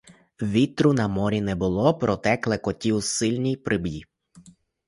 Вітру на морі не було, проте клекотів сильний прибій.